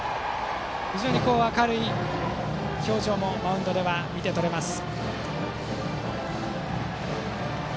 非常に明るい表情もマウンドでは見て取れます。